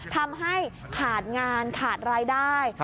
ทำให้ขาดงานขาดรายได้